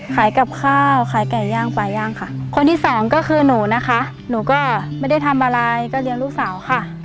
ขายกับข้าวขายไก่ย่างปลาย่างค่ะคนที่สองก็คือหนูนะคะหนูก็ไม่ได้ทำอะไรก็เลี้ยงลูกสาวค่ะ